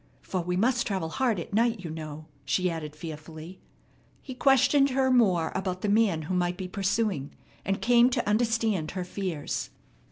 "For we must travel hard at night, you know," she added fearfully. He questioned her more about the man who might be pursuing, and came to understand her fears.